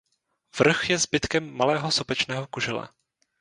Vrch je zbytkem malého sopečného kužele.